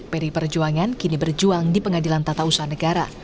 pdi perjuangan kini berjuang di pengadilan tata usaha negara